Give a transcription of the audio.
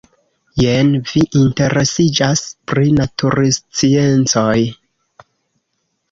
Jen vi interesiĝas pri natursciencoj.